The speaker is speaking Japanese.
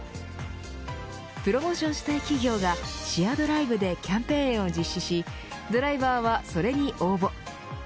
プロモーションしたい企業がチアドライブでキャンペーンを実施しドライバーはそれに応募。